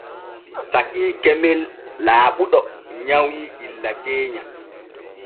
Sakiike meeɗen Laaɓuɗo nyawi illa keenya.